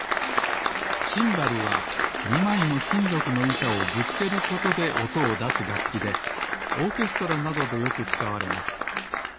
シンバルは２まいのきんぞくのいたをぶつけることでおとをだすがっきでオーケストラなどでよくつかわれます